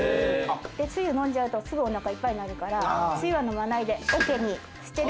でつゆを飲んじゃうとすぐお腹いっぱいになるからつゆは飲まないで桶に捨てる。